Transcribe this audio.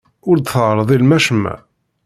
Ur d-terḍilem acemma.